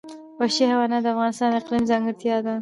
وحشي حیوانات د افغانستان د اقلیم ځانګړتیا ده.